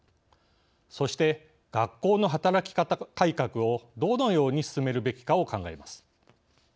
そして、学校の働き方改革をどのように進めるべきかを考えます。